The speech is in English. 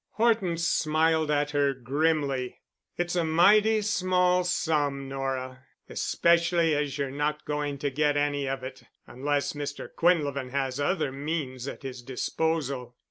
Horton smiled at her grimly. "It's a mighty small sum, Nora—especially as you're not going to get any of it—unless Mr. Quinlevin has other means at his disposal."